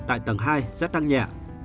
tại tầng hai sẽ tăng nhẹ